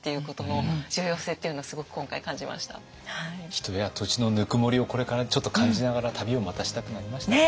人や土地のぬくもりをこれからちょっと感じながら旅をまたしたくなりましたね。